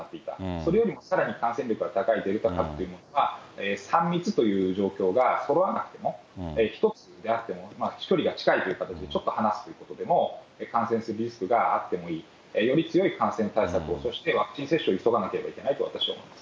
それよりもさらに感染力が高いデルタ株というのは、３密という状況がそろわなくても、１つであっても、距離が近いという形で話すということでも、感染するリスクがあってもいい、より強い感染対策、そしてワクチン接種を急がなければいけないと私は思います。